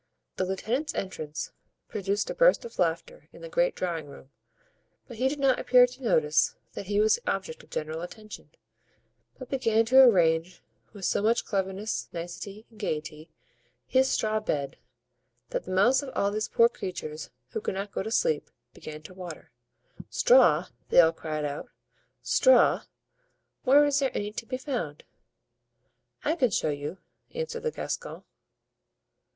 The lieutenant's entrance produced a burst of laughter in the great drawing room; but he did not appear to notice that he was the object of general attention, but began to arrange, with so much cleverness, nicety and gayety, his straw bed, that the mouths of all these poor creatures, who could not go to sleep, began to water. "Straw!" they all cried out, "straw! where is there any to be found?" "I can show you," answered the Gascon.